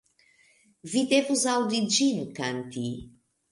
Vi devus aŭdi ĝin kanti.